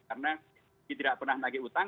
karena tidak pernah lagi utang